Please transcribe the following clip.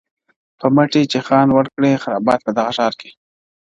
په مټي چي خان وكړی خرابات په دغه ښار كي.